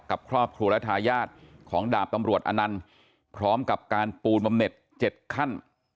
กับครอบครัวและทายาทของดาบตำรวจอนันต์พร้อมกับการปูนบำเน็ต๗ขั้น